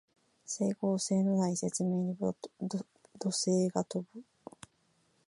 整合性のない説明に怒声が飛ぶ